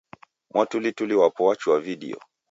Mwatulituli wapo wachua vidio